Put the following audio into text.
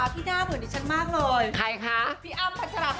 ข่าวของพี่ฟ้าพี่น่าเหมือนดิฉันมากเลย